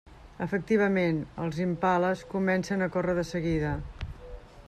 Efectivament, els impales comencen a córrer de seguida.